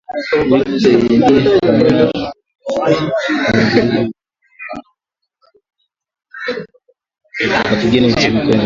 Ili kusaidia kupambana na kundi la waasi lenye vurugu linalojulikana kama Majeshi ya demokrasia ya washirika uingiliaji mkubwa zaidi wa kigeni nchini Kongo.